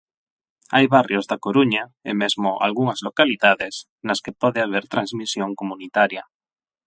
Hai barrios da Coruña, e mesmo algunhas localidades, nas que pode haber transmisión comunitaria.